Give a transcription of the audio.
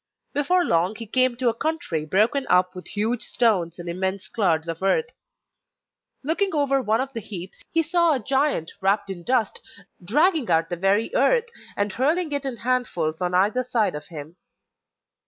Before long he came to a country broken up with huge stones and immense clods of earth. Looking over one of the heaps he saw a giant wrapped in dust dragging out the very earth and hurling it in handfuls on either side of him.